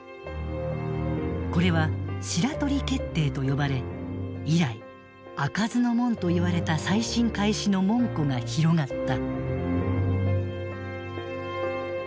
これは「白鳥決定」と呼ばれ以来開かずの門といわれた再審開始の門戸が広がった。